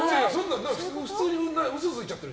普通に嘘ついちゃってる。